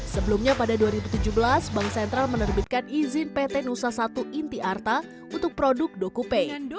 sebelumnya pada dua ribu tujuh belas bank sentral menerbitkan izin pt nusa satu inti arta untuk produk dokupay